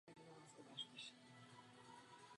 Český závodník startoval v odpolední „B“ skupině.